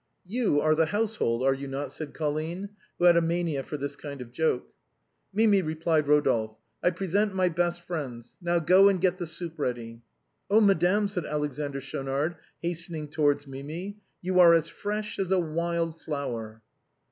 "You are the household, are you not?" said Colline, who had a mania for this kind of joke. "Mimi," replied Eodolphe, "I present my best friends; now go and get the soup ready." " Oh, madame," said Alexander Schaunard, hastening towards Mimi, " you are as fresh as a wild flower."